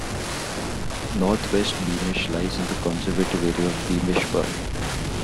North West Beamish lies in the conservation area of Beamish Burn.